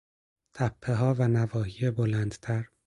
تپهها و نواحی بلندتر